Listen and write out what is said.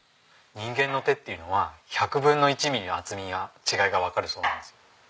人間の手っていうのは１００分の１ミリの厚みが違いがわかるそうなんですよ。